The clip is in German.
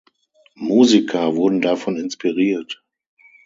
Musiker wurden davon inspiriert.